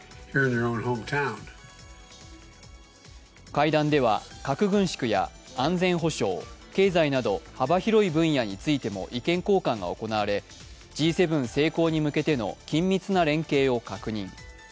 会談では核軍縮や安全保障、経済など幅広い分野についても意見交換が行われＧ７成功に向けての緊密な連携を確認。